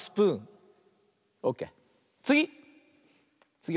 つぎ！